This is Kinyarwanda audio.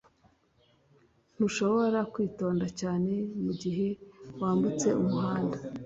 ntushobora kwitonda cyane mugihe wambutse umuhanda